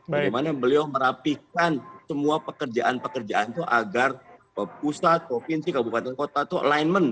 bagaimana beliau merapikan semua pekerjaan pekerjaan itu agar pusat provinsi kabupaten kota itu alignment